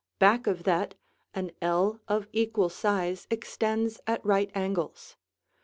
Back of that, an ell of equal size extends at right angles.